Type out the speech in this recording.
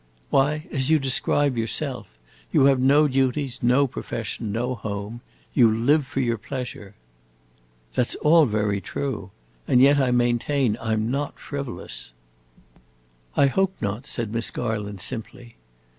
"Why, as you describe yourself. You have no duties, no profession, no home. You live for your pleasure." "That 's all very true. And yet I maintain I 'm not frivolous." "I hope not," said Miss Garland, simply.